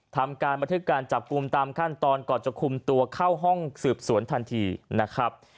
ทำการบันทึกการจับกลุ่มตามขั้นตอนก่อนจะคุมตัวเข้าห้องสืบสวนทันทีนะครับ